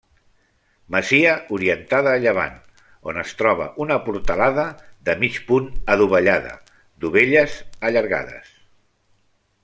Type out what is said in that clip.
Masia orientada a llevant, on es troba una portalada de mig punt adovellada -dovelles allargades-.